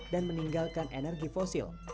dan meninggalkan energi fosil